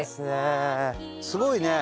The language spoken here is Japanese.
すごいね！